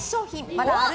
まだある？